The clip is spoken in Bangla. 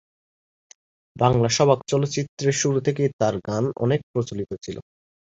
বাংলা সবাক চলচ্চিত্রের শুরু থেকেই তার গান অনেক প্রচলিত ছিল।